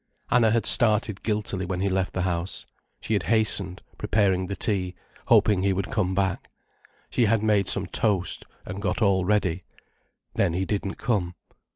Anna had started guiltily when he left the house. She had hastened preparing the tea, hoping he would come back. She had made some toast, and got all ready. Then he didn't come.